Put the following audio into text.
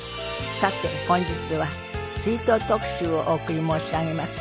さて本日は追悼特集をお送り申し上げます。